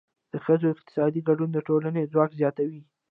د ښځو اقتصادي ګډون د ټولنې ځواک زیاتوي.